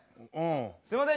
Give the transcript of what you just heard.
すいません。